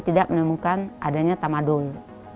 tidak menemukan adanya tramadol